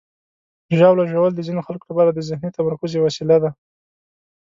ژاوله ژوول د ځینو خلکو لپاره د ذهني تمرکز یوه وسیله ده.